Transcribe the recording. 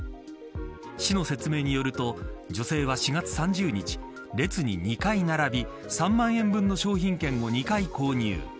市の説明によると女性は４月３０日列に２回並び３万円分の商品券を２回購入。